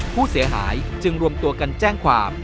ผู้เสียหายจึงรวมตัวกันแจ้งความ